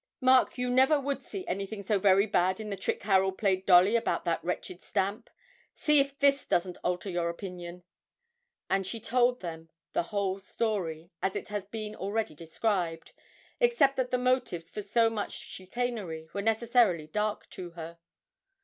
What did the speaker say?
'Mark, you never would see anything so very bad in the trick Harold played Dolly about that wretched stamp see if this doesn't alter your opinion.' And she told them the whole story, as it has been already described, except that the motives for so much chicanery were necessarily dark to her.